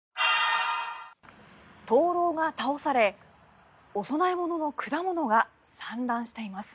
灯ろうが倒されお供え物の果物が散乱しています。